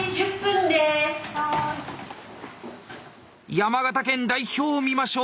山形県代表を見ましょう。